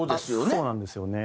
そうなんですよね。